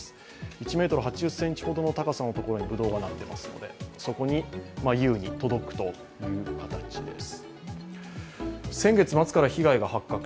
１ｍ８０ｃｍほどの高さのところにぶどうがなっていますので、そこに優に届くという形です。